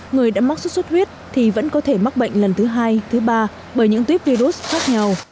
người đã mắc sốt xuất huyết thì vẫn có thể mắc bệnh lần thứ hai thứ ba bởi những tuyếp virus khác nhau